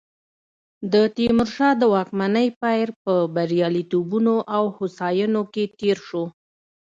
د تیمورشاه د واکمنۍ پیر په بریالیتوبونو او هوساینو کې تېر شو.